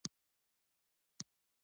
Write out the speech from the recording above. لکه پانوس لکه لمبه لکه محفل د ښکلیو